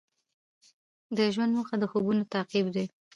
د ژوند موخه د خوبونو تعقیب دی.